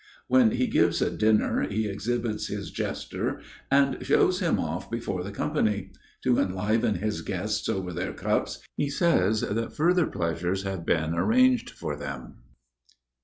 When he gives a dinner he exhibits his jester and shows him off before the company. To enliven his guests over their cups, he says that further pleasures have been arranged for them.